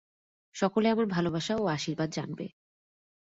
সকলে আমার ভালবাসা ও আশীর্বাদ জানবে।